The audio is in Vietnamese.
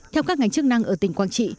theo các ngành chức năng ở tỉnh quảng trị